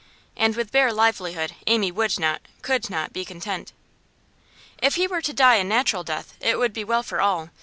And with bare livelihood Amy would not, could not, be content. If he were to die a natural death it would be well for all.